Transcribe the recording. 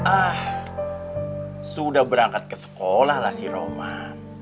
ah sudah berangkat ke sekolah lah si roma